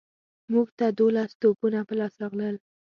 موږ ته دوولس توپونه په لاس راغلل.